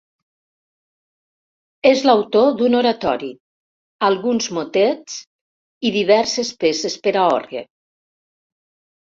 És l'autor d'un oratori, alguns motets, i diverses peces per a orgue.